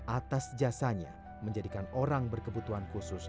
atas jasanya menjadikan orang berkebutuhan khusus